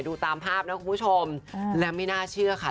ตามภาพนะคุณผู้ชมและไม่น่าเชื่อค่ะ